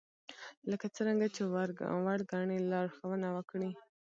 لکه څرنګه چې وړ ګنئ لارښوونه وکړئ